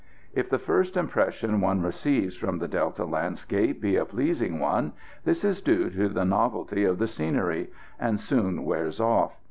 If the first impression one receives from the Delta landscape be a pleasing one, this is due to the novelty of the scenery, and soon wears off.